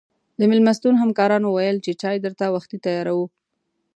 د مېلمستون همکارانو ویل چې چای درته وختي تیاروو.